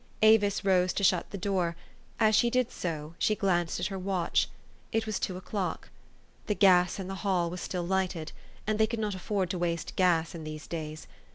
Avis rose to shut the door : as she did so, she glanced at her watch. It was two o'clock. The gas in the hall was still lighted ; and they could not afford to waste gas in these days.